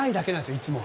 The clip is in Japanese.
いつもは。